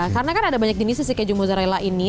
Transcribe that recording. karena kan ada banyak jenisnya sih keju mozzarella ini